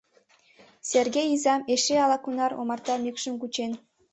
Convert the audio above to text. Серге изам эше ала-кунар омарта мӱкшым кучен.